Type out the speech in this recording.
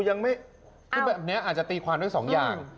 อันนี้อาจจะตีความด้วยสองอย่าง